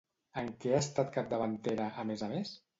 En què ha estat capdavantera, a més a més?